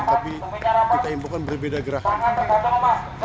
tapi kita infokan berbeda gerakan